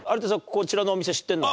こちらのお店知ってるの？